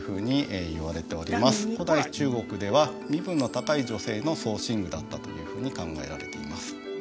古代中国では身分の高い女性の装身具だったというふうに考えられています